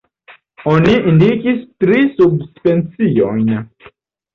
Oni indikis tri subspeciojn.